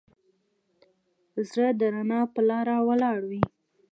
زړه د رڼا په لاره ولاړ وي.